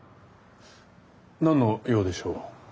何の用でしょう？